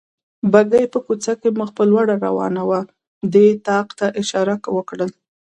بګۍ په کوڅه کې مخ په لوړه روانه وه، دې طاق ته اشاره وکړل.